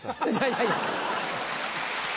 いやいや。